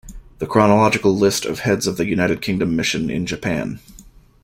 The chronological list of Heads of the United Kingdom Mission in Japan.